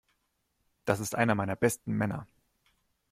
Das ist einer meiner besten Männer.